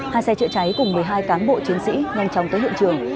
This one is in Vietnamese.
hai xe chữa cháy cùng một mươi hai cán bộ chiến sĩ nhanh chóng tới hiện trường